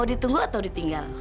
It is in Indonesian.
mau ditunggu atau ditinggal